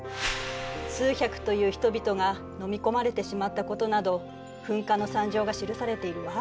数百という人々が飲み込まれてしまったことなど噴火の惨状が記されているわ。